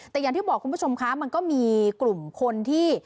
แต่อย่างที่บอกคุณผู้ชมคะมันก็มีกลุ่มคนที่